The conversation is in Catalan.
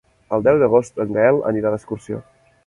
El deu d'agost en Gaël anirà d'excursió.